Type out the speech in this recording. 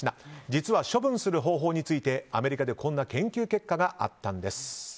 実は処分する方法についてアメリカでこんな研究結果があったんです。